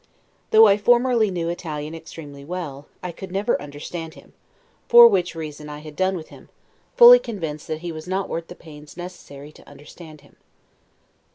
Though I formerly knew Italian extremely well, I could never understand him; for which reason I had done with him, fully convinced that he was not worth the pains necessary to understand him.